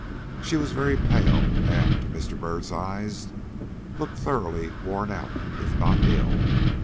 She was very pale, and, to Mr. Byrd's eyes, looked thoroughly worn out, if not ill.